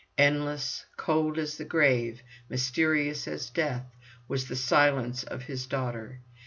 Endless, cold as the grave, mysterious as death, was the silence of his daughter.